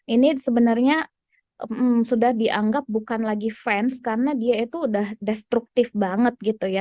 ini sebenarnya sudah dianggap bukan lagi fans karena dia itu udah destruktif banget gitu ya